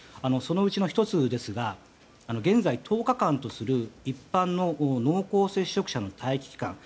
そのうちの１つですが現在１０日間とする一般の濃厚接触者の待機期間